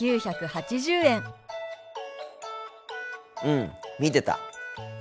うん見てた。